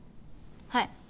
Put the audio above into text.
はい。